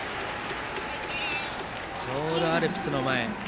ちょうどアルプスの前。